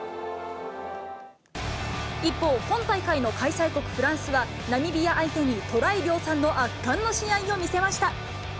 一方、今大会の開催国、フランスは、ナミビア相手にトライ量産の圧巻の試合を見せました。